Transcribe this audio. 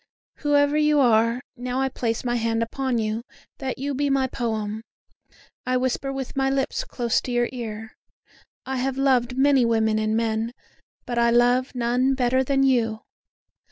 Whoever you are, now I place my hand upon you, that you be my poem; I whisper with my lips close to your ear, I have loved many women and men, but I love none better than you.